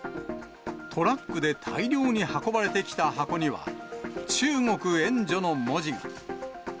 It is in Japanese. トラックで大量に運ばれてきた箱には、中国援助の文字が。